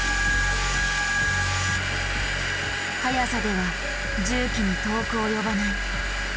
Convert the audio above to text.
速さでは重機に遠く及ばない。